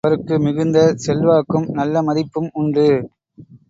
இஸ்லாமிய சமூகத்தில் அவருக்கு மிகுந்த செல்வாக்கும், நல்ல மதிப்பும் உண்டு.